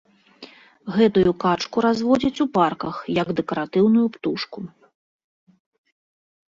Гэтую качку разводзяць у парках як дэкаратыўную птушку.